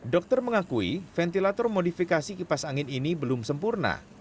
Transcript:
dokter mengakui ventilator modifikasi kipas angin ini belum sempurna